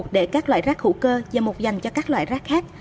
để các loại rác hữu cơ và một dành cho các loại rác khác